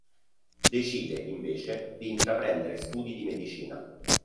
Decide, invece, di intraprendere studi di Medicina.